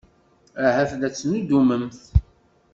Ahat la tettnuddumemt.